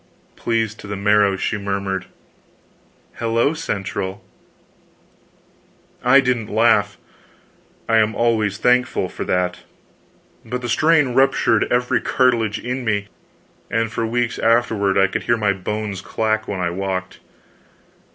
Pleased to the marrow, she murmured: "HELLO CENTRAL!" I didn't laugh I am always thankful for that but the strain ruptured every cartilage in me, and for weeks afterward I could hear my bones clack when I walked.